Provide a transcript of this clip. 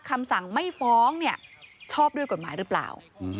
คำสั่งไม่ฟ้องเนี่ยชอบด้วยกฎหมายหรือเปล่า